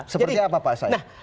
seperti apa pak said